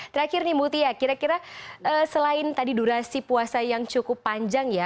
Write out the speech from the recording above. terakhir nih mutia kira kira selain tadi durasi puasa yang cukup panjang ya